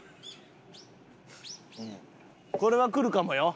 これはくるかもよ。